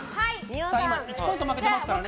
１ポイント負けてますからね。